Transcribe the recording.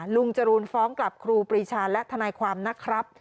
จรูนฟ้องกลับครูปรีชาและทนายความนะครับ